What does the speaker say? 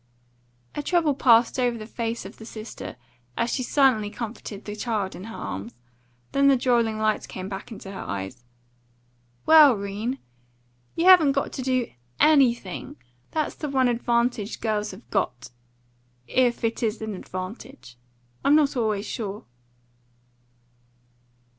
A trouble passed over the face of the sister as she silently comforted the child in her arms; then the drolling light came back into her eyes. "Well, 'Rene, YOU haven't got to do ANYthing. That's one advantage girls have got if it IS an advantage. I'm not always sure."